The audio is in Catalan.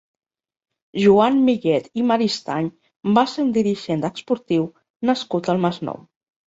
Joan Millet i Maristany va ser un dirigent esportiu nascut al Masnou.